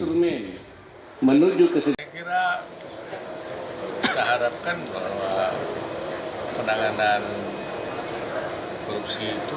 saya kira kita harapkan bahwa penanganan korupsi itu